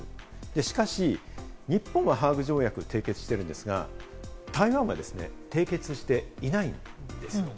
しかし、日本はハーグ条約を締結しているんですが、台湾はですね、締結していないんです。